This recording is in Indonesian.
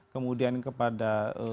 kemudian kepada tersangka